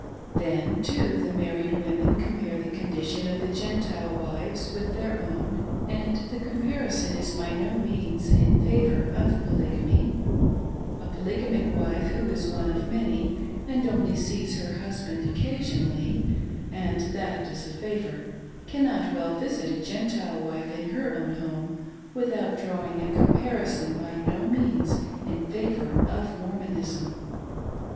Then, too, the marrifed women compare the condition of the Gentile wives with their own, and the cornparison is by no means in favor of Polygamy. A polygamic wife who is one of many and only sees her husband occasionally, and that as a favor, cannot well visit a Gentile wife in her own home without drawing a comparison by no means in favotof Mor BROTHER BRIGHAM's APOSTATE SON. 6ll monism.